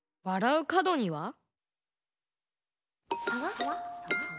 わらうかどには？